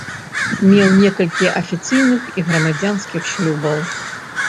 Меў некалькі афіцыйных і грамадзянскіх шлюбаў.